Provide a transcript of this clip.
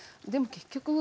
でも結局。